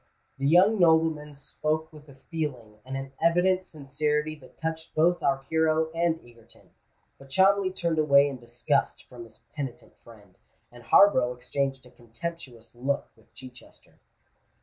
The young nobleman spoke with a feeling and an evident sincerity that touched both our hero and Egerton; but Cholmondeley turned away in disgust from his penitent friend, and Harborough exchanged a contemptuous look with Chichester.